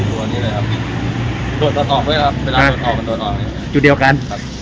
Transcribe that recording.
เวลาอาบกระทอตเขาอาบออกนี้อยู่เดียวกัน